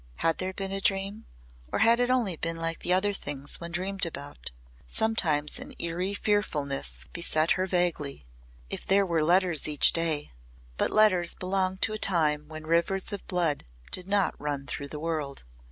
Had there been a dream or had it only been like the other things one dreamed about? Sometimes an eerie fearfulness beset her vaguely. If there were letters each day! But letters belonged to a time when rivers of blood did not run through the world.